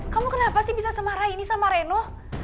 kamu kenapa sih bisa semara ini sama reno